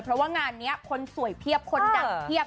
เพราะว่างานนี้คนสวยเพียบคนดังเพียบ